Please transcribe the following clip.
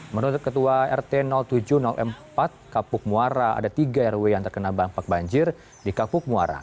menurut ketua rt tujuh ratus empat kapuk muara ada tiga rw yang terkena dampak banjir di kapuk muara